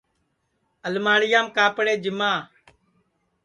الماڑیام کاپڑے جیما